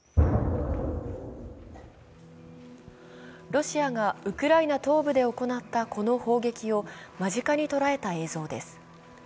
ロシアがウクライナ東部で行ったこの砲撃を間近に捉えた映像です。